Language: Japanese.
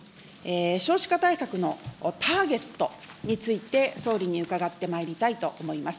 少子化対策のターゲットについて、総理に伺ってまいりたいと思います。